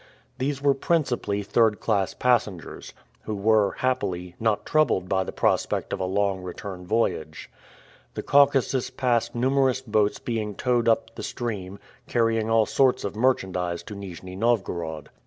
These were principally third class passengers, who were, happily, not troubled by the prospect of a long return voyage. The Caucasus passed numerous boats being towed up the stream, carrying all sorts of merchandise to Nijni Novgorod.